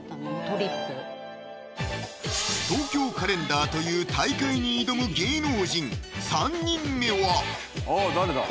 トリップ「東京カレンダー」という大海に挑む芸能人３人目はあ誰だ？